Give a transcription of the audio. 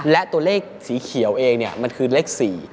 และตัวเลขสีเขียวเองมันคือเลข๔